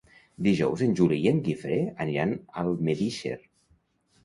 Dijous en Juli i en Guifré aniran a Almedíxer.